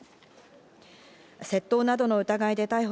窃盗などの疑いで逮捕